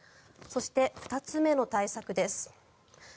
そして、２つ目の対策です。